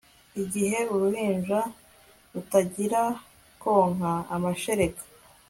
Igihe uruhinja rutangira konka amashereka